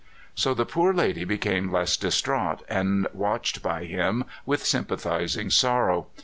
'" So the poor lady became less distraught, and watched by him with sympathizing sorrow.